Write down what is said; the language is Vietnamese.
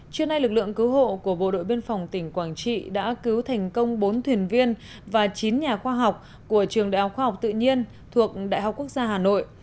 trưa nay lực lượng cứu hộ của bộ đội biên phòng tỉnh quảng trị đã cứu thành công bốn thuyền viên và chín nhà khoa học của trường đại học khoa học tự nhiên thuộc đại học quốc gia hà nội